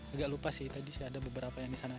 agak lupa sih tadi sih ada beberapa yang di sana